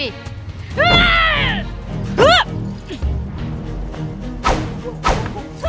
aku akan menghina kau